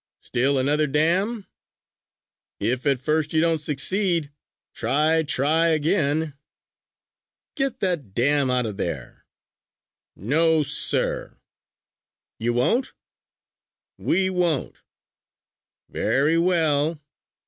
"Still another dam?" "If at first you don't succeed, try, try, again!" "Get that dam out of there!" "No, sir!" "You won't?" "We won't!" "Very well!